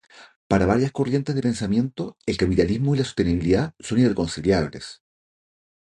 Para varias corrientes de pensamiento el capitalismo y la sostenibilidad son irreconciliables.